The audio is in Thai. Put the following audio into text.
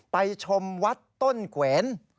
ไปชมวัดต้นเกวน